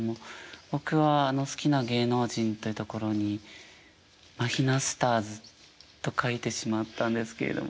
僕は好きな芸能人というところにマヒナスターズと書いてしまったんですけれども。